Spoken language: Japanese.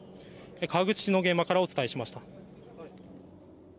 川口市の現場からお伝えしました。